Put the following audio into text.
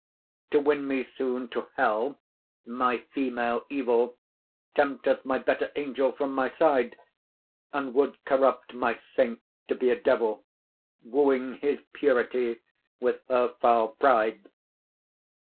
To win me soon to hell, my female evil, Tempteth my better angel from my side, And would corrupt my saint to be a devil, Wooing his purity with her foul pride.